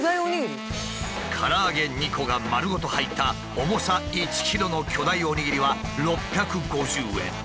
から揚げ２個が丸ごと入った重さ１ｋｇの巨大おにぎりは６５０円。